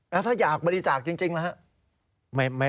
แล้วถ้าอยากบริจาคจริงล่ะ